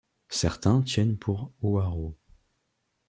Certains tiennent pour Houarault.